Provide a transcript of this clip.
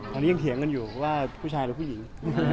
ตอนนี้ยังเถียงกันอยู่ว่าผู้ชายหรือผู้หญิง